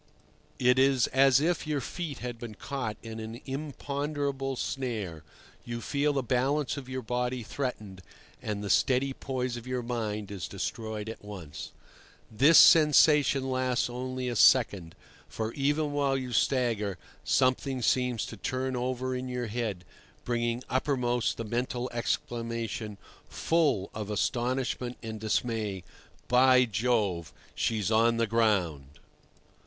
It is as if your feet had been caught in an imponderable snare; you feel the balance of your body threatened, and the steady poise of your mind is destroyed at once. This sensation lasts only a second, for even while you stagger something seems to turn over in your head, bringing uppermost the mental exclamation, full of astonishment and dismay, "By Jove! she's on the ground!"